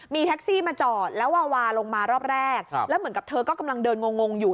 มีแท็กซี่มาจอดแล้ววาวาลงมารอบแรกแล้วเหมือนกับเธอก็กำลังเดินงงงอยู่